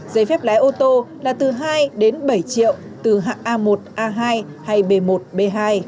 giấy phép lái ô tô là từ hai đến bảy triệu từ hạng a một a hai hay b một b hai